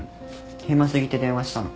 暇過ぎて電話したの。